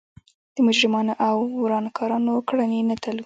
د مجرمانو او ورانکارانو کړنې نه تلو.